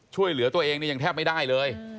ช่วยเหลือตัวเองนี่ยังแทบไม่ได้เลย